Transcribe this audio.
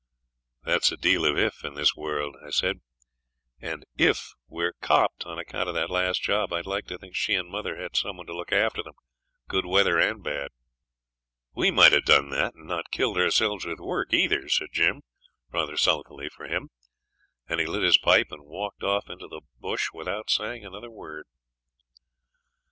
'There's a deal of "if" in this world,' I said; 'and "if" we're "copped" on account of that last job, I'd like to think she and mother had some one to look after them, good weather and bad.' 'We might have done that, and not killed ourselves with work either,' said Jim, rather sulkily for him; and he lit his pipe and walked off into the bush without saying another word.